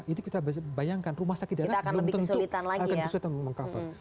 itu kita bayangkan rumah sakit dan kita akan lebih kesulitan lagi ya